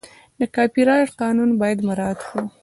د کاپي رایټ قانون باید مراعت کړو.